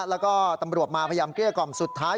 แล้วก็ตำรวจมาพยายามเกลี้ยกล่อมสุดท้าย